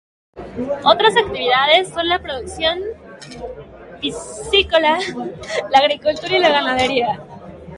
Otras actividades son la producción piscícola, la agricultura y la ganadería.